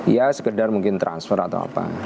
ya sekedar mungkin transfer atau apa